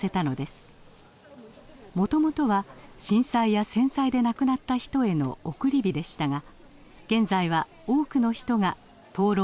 もともとは震災や戦災で亡くなった人への送り火でしたが現在は多くの人が灯籠に願い事を書き入れています。